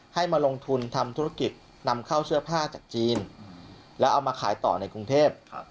ให้มาลงทุนทำธุรกิจนำเข้าเสื้อผ้าจากจีนแล้วเอามาขายต่อในกรุงเทพ